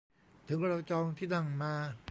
ถึงเราจองที่นั่งมา